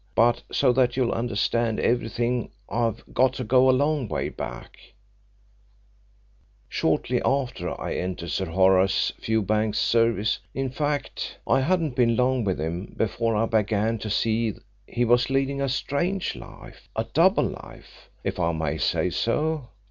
But so that you'll understand everything I've got to go a long way back shortly after I entered Sir Horace Fewbanks's service. In fact, I hadn't been long with him before I began to see he was leading a strange life a double life, if I may say so.